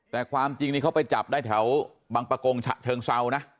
แต่ความจริงนี่เขาไปจับได้แถวบังปะโกงฉะเชิงเซานะ